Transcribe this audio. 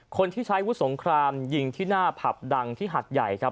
คนที่ใช้วุฒิสงครามยิงที่หน้าผับดังที่หัดใหญ่ครับ